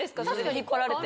引っ張られて。